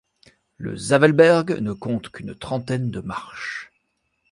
Le Zavelberg ne compte qu’une trentaine de marches.